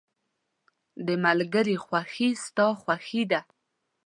• د ملګري خوښي ستا خوښي ده.